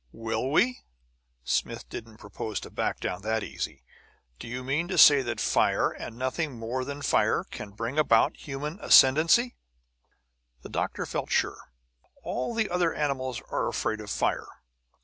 "Will we?" Smith didn't propose to back down that easy. "Do you mean to say that fire, and nothing more than fire, can bring about human ascendency?" The doctor felt sure. "All the other animals are afraid of fire.